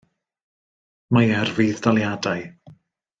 Mae e ar fudd-daliadau.